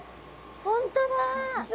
本当だ！